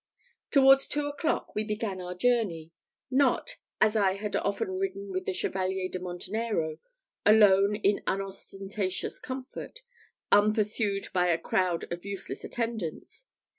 Towards two o'clock, we began our journey not, as I had often ridden with the Chevalier de Montenero, alone in unostentatious comfort, unpursued by a crowd of useless attendants.